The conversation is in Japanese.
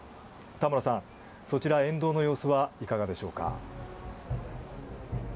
田村さん、そちら沿道の様子はいかがでしょうか？